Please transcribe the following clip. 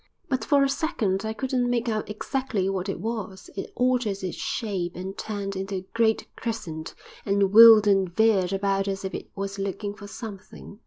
But for a second I couldn't make out exactly what it was. It altered its shape and turned into a great crescent, and wheeled and veered about as if it was looking for something.